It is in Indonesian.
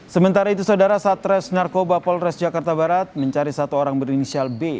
sementara itu saudara satres narkoba polres jakarta barat mencari satu orang berinisial b